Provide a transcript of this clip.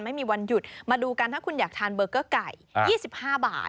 ไม่มีวันหยุดมาดูกันถ้าคุณอยากทานเบอร์เกอร์ไก่๒๕บาท